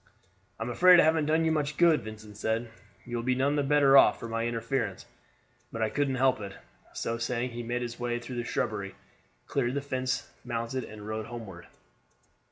"I am afraid I haven't done you much good," Vincent said. "You will be none the better off for my interference; but I couldn't help it." So saying he made his way through the shrubbery, cleared the fence, mounted, and rode homeward.